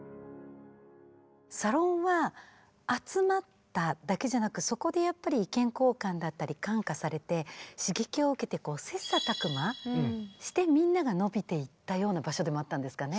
サロンは集まっただけじゃなくそこでやっぱり意見交換だったりみんなが伸びていったような場所でもあったんですかね。